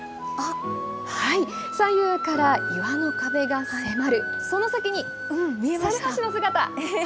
左右から岩の壁が迫る、その先に猿橋の姿。